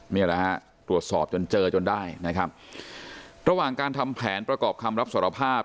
นี่แหละฮะตรวจสอบจนเจอจนได้นะครับระหว่างการทำแผนประกอบคำรับสารภาพ